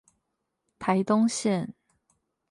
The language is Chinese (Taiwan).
台東線